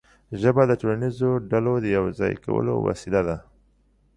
ژبه د ټولنیزو ډلو د یو ځای کولو وسیله ده.